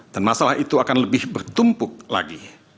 dan masalah itu akan lebih berkaitan dengan masalah yang dikenakan oleh bapak aslu